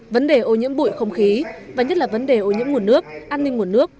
vấn đề ô nhiễm bụi không khí và nhất là vấn đề ô nhiễm nguồn nước an ninh nguồn nước